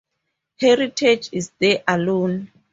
Heritage is there alone.